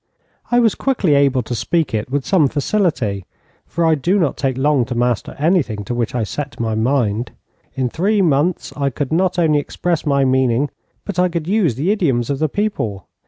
I was quickly able to speak it with some facility, for I do not take long to master anything to which I set my mind. In three months I could not only express my meaning, but I could use the idioms of the people.